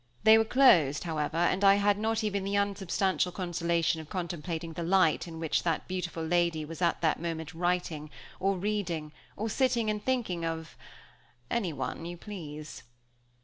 They were closed, however, and I had not even the unsubstantial consolation of contemplating the light in which that beautiful lady was at that moment writing, or reading, or sitting and thinking of anyone you please.